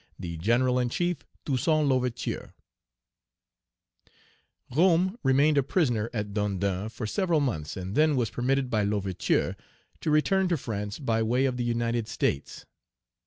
"The General in chief, TOUSSAINT L'OUVERTURE." Roume remained a prisoner at Dondon for several months, and then was permitted by L'Ouverture to return to France by way of the United States.